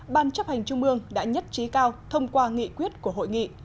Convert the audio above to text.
ban chấp hành trung ương đã nhất trí cao thông qua nghị quyết của hội nghị